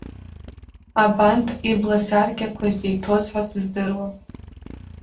Абанҭ ибласаркьақәа зеиҭоз ҳәа сыздыруам.